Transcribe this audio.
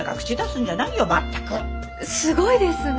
すごいですね。